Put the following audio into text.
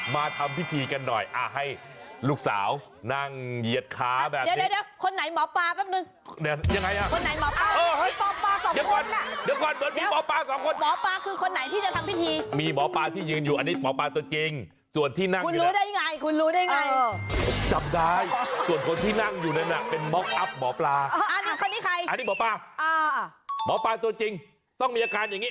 มาทำพิธีกันหน่อยให้ลูกสาวนั่งเหยียดค้าแบบนี้